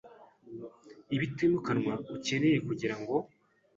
ibitimukanwa ukeneye kugira ngo